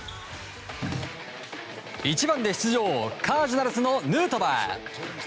１番で出場カージナルスのヌートバー。